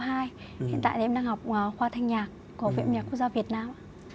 hiện tại em đang học khoa thanh nhạc của viện âm nhạc quốc gia việt nam